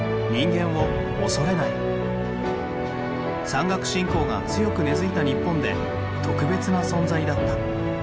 山岳信仰が強く根付いた日本で特別な存在だった。